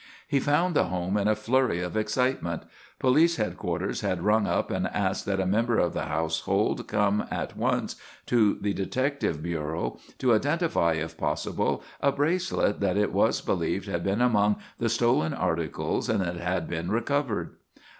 He found the home in a flurry of excitement. Police headquarters had rung up and asked that a member of the household come at once to the detective bureau to identify if possible a bracelet that it was believed had been among the stolen articles and that had been recovered.